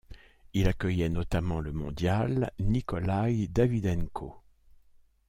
Il accueillait notamment le mondial, Nikolay Davydenko.